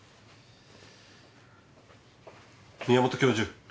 宮本教授。